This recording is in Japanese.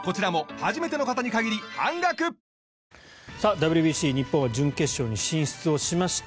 ＷＢＣ日本は準決勝に進出をしました。